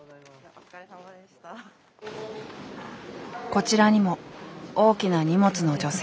こちらにも大きな荷物の女性。